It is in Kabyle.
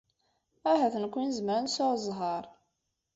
Ahat nekkni nezmer ad nesɛu zzheṛ.